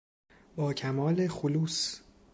با کمال خلوص